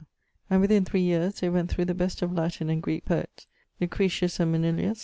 And within three years they went through the best of Latin and Greec poetts Lucretius and Manilius[XXII.